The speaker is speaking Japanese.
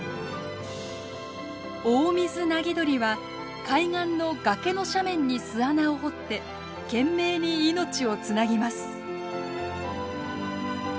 オオミズナギドリは海岸の崖の斜面に巣穴を掘って懸命に命をつなぎます。